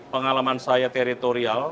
pengalaman saya teritorial